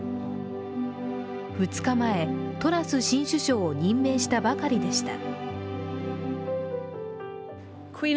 ２日前、トラス新首相を任命したばかりでした。